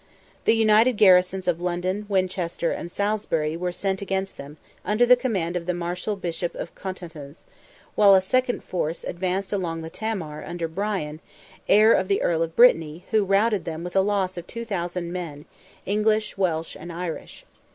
The united garrisons of London, Winchester, and Salisbury, were sent against them, under the command of the martial Bishop of Coutances; while a second force advanced along the Tamar, under Brian, heir of the Earl of Brittany, who routed them with a loss of 2,000 men, English, Welsh, and Irish.